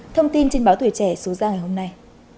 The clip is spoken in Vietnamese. thông tin trên báo tuổi trẻ số ra ngày hôm nay